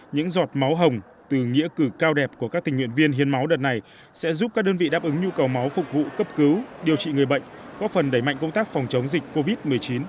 những giọt máu hồng từ nghĩa cử cao đẹp của các tình nguyện viên hiến máu đợt này sẽ giúp các đơn vị đáp ứng nhu cầu máu phục vụ cấp cứu điều trị người bệnh có phần đẩy mạnh công tác phòng chống dịch covid một mươi chín